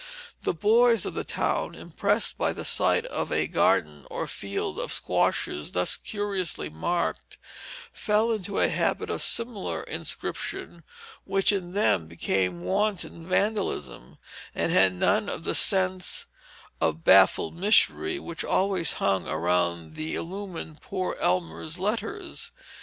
The boys of the town, impressed by the sight of a garden or field of squashes thus curiously marked, fell into a habit of similar inscription, which in them became wanton vandalism, and had none of the sense of baffled mystery which always hung around and illumined poor Elmer's letters.